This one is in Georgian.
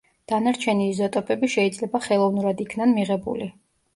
დანარჩენი იზოტოპები შეიძლება ხელოვნურად იქნან მიღებული.